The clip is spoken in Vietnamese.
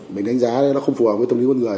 mình đánh giá nó không phù hợp với tâm lý con người